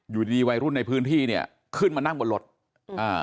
อยู่ดีดีวัยรุ่นในพื้นที่เนี่ยขึ้นมานั่งบนรถอ่า